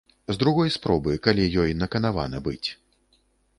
З другой спробы, калі ёй наканавана быць.